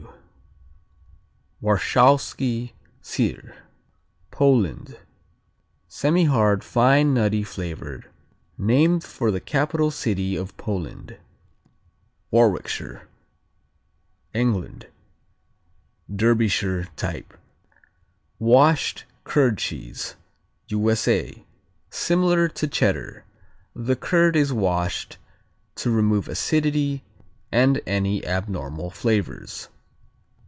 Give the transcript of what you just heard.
W Warshawski Syr Poland Semihard; fine nutty flavor; named for the capital city of Poland. Warwickshire England Derbyshire type. Washed curd cheese U.S.A. Similar to Cheddar. The curd is washed to remove acidity and any abnormal flavors.